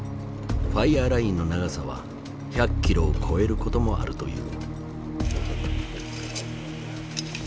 ファイアーラインの長さは１００キロを超えることもあるという。